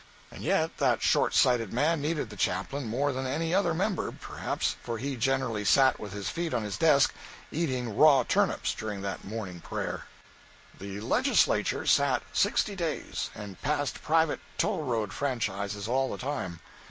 And yet that short sighted man needed the Chaplain more than any other member, perhaps, for he generally sat with his feet on his desk, eating raw turnips, during the morning prayer. 191.jpg (99K) The legislature sat sixty days, and passed private tollroad franchises all the time.